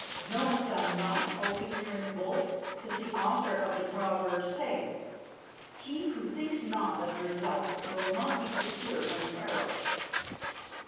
Knowest thou not, O ignorant wolf, that the author of the proverb saith, 'He who thinks not of results will not be secure from perils?'"